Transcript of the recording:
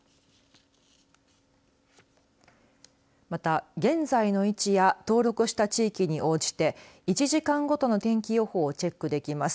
また現在の位置や登録した地域に応じて１時間ごとの天気予報をチェックできます。